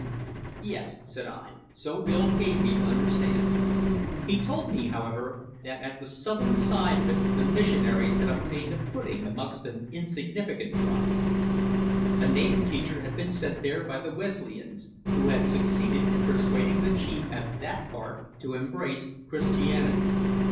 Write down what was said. '" "Yes," said I; "so Bill gave me to understand. He told me, however, that at the southern side of it the missionaries had obtained a footing amongst an insignificant tribe. A native teacher had been sent there by the Wesleyans, who had succeeded in persuading the chief at that part to embrace Christianity.